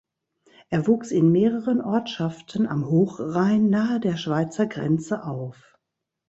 Er wuchs in mehreren Ortschaften am Hochrhein nahe der Schweizer Grenze auf.